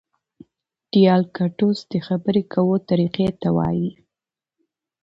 ډیالکټوس د خبري کوو طریقې ته وایي.